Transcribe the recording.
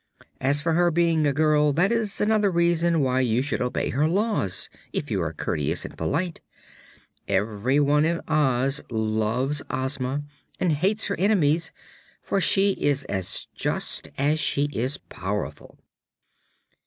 As for her being a girl, that is another reason why you should obey her laws, if you are courteous and polite. Everyone in Oz loves Ozma and hates her enemies, for she is as just as she is powerful."